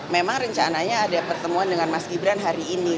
memang rencananya ada pertemuan dengan mas gibran hari ini